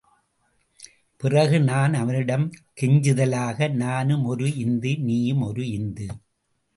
பிறகு நான் அவனிடம் கெஞ்சுதலாக, நானும் ஒரு இந்து, நீயும் ஒரு இந்து.